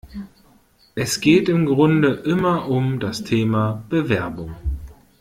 Es geht im Grunde immer um das Thema Bewerbung.